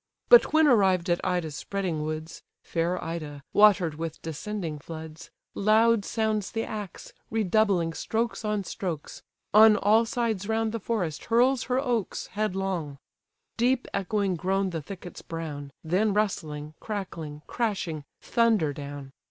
But when arrived at Ida's spreading woods, (Fair Ida, water'd with descending floods,) Loud sounds the axe, redoubling strokes on strokes; On all sides round the forest hurls her oaks Headlong. Deep echoing groan the thickets brown; Then rustling, crackling, crashing, thunder down.